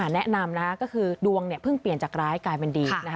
แนะนำนะคะก็คือดวงเพิ่งเปลี่ยนจากร้ายกลายเป็นดี